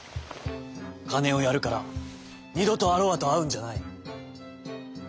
かねをやるからにどとアロアとあうんじゃない！」。